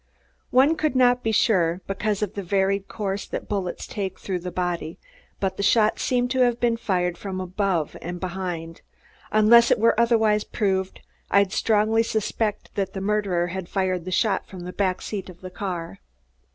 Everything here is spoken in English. "One could not be sure, because of the varied course that bullets take through the body, but the shot seems to have been fired from above and behind. Unless it were otherwise proved, I'd strongly suspect that the murderer had fired the shot from the back seat of the car."